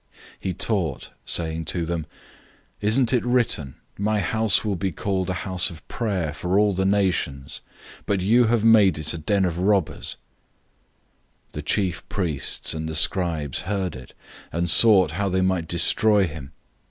011:017 He taught, saying to them, "Isn't it written, 'My house will be called a house of prayer for all the nations?'{Isaiah 56:7} But you have made it a den of robbers!"{Jeremiah 7:11} 011:018 The chief priests and the scribes heard it, and sought how they might destroy him.